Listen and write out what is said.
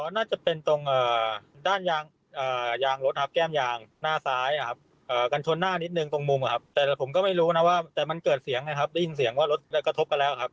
น่าจะเป็นตรงด้านยางรถแก้มยางหน้าซ้ายนะครับ